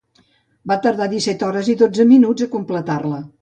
Va tardar disset hores i dotze minuts a completar-la.